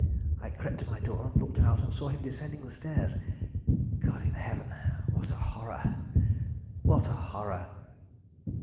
I crept to my door, and looked out and saw him descending the stairs. God in heaven, what a horror, what a horror!